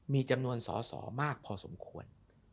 มีจำนวนสอสอมากพอสมควร